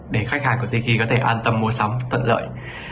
để khách hàng của tiki có thể an tâm mua sắm thuận lợi